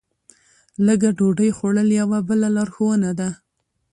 لږه ډوډۍ خوړل یوه بله لارښوونه ده.